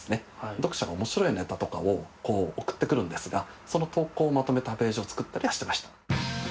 読者が面白いネタとかを送ってくるんですがその投稿をまとめたページを作ったりはしてました。